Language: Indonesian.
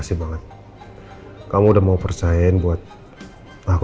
silahkan mbak mbak